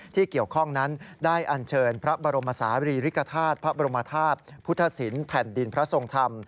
ที่เกี่ยวข้องนั้นได้อันเชิญพระบรมศาลีริกฐาตุพระบรมธาตุพุทธศิลป์แผ่นดินพระทรงธรรม